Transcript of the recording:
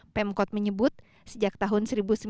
pemkot menyebut sejak tahun seribu sembilan ratus sembilan puluh